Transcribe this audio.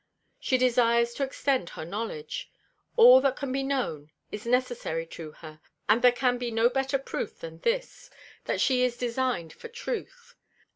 She desires to extend her Knowledge: All that can be known, is necessary to her, and there can be no better Proof than this, that she is design'd for Truth.